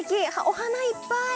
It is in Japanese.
お花いっぱい。